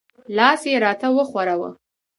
لاس یې را ته وښوراوه.